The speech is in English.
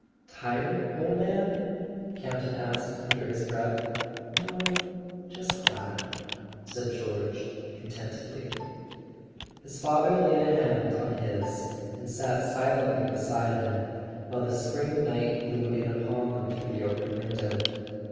.. "Tired, old man ?" Campton asked under his breath. "No; just glad," said George contentedly. [ 407 ] A SON AT THE FRONT His father laid a hand on his and sat silently be¬ side him while the spring night blew in upon them through the open window.